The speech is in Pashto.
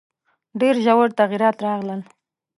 ډېر ژور تغییرات راغلل.